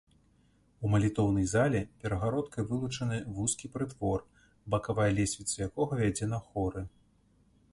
У малітоўнай зале перагародкай вылучаны вузкі прытвор, бакавая лесвіца якога вядзе на хоры.